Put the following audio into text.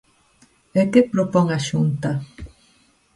¿E que propón a Xunta?